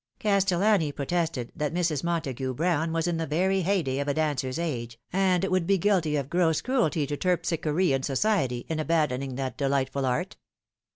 Castellani protested that Mrs. Montagu Brown was in the very heyday of a dancer's age, and would be guilty of gross cruelty to terpsichorean society in abandoning that delightful art.